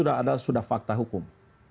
adalah sudah fakta hukum